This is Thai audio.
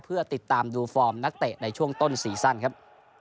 เพื่อติดตามดูฟอร์มนักเตะในช่วงต้นซีซั่นครับ